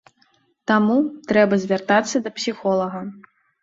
Таму трэба звяртацца да псіхолага.